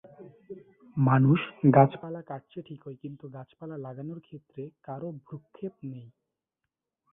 মানুষ গাছপালা কাটছে ঠিকই কিন্তু গাছপালা লাগানোর ক্ষেত্রে কারো ভ্রুক্ষেপ নেই।